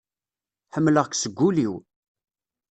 Ḥemleɣ-k seg ul-iw.